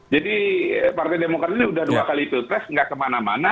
jadi partai demokrat ini sudah dua kali pilpres tidak kemana mana